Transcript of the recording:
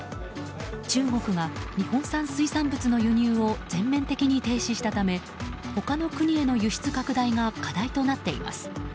中国が、日本産水産物の輸入を全面的に停止したため他の国への輸出拡大が課題となっています。